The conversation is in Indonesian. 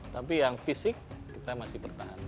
tapi yang fisik kita masih bertahan